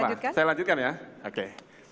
oh gak apa apa saya lanjutkan ya oke